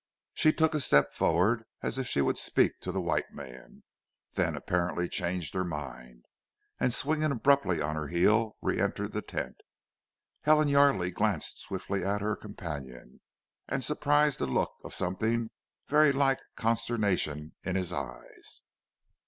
She took a step forward as if she would speak to the white man, then apparently changed her mind, and swinging abruptly on her heel, re entered the tent. Helen Yardely glanced swiftly at her companion, and surprised a look of something very like consternation in his eyes.